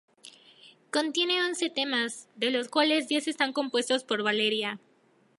Contiene once temas, de los cuales diez están compuestos por Valeria.